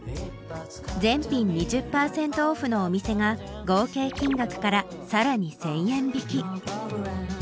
全品２０％オフのお店が合計金額からさらに１０００円引き。